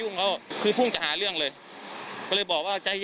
กู้ภัยก็เลยมาช่วยแต่ฝ่ายชายก็เลยมาช่วย